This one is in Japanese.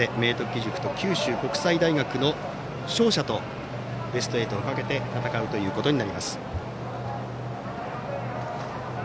義塾と九州国際大学の勝者とベスト８をかけて戦うということになります。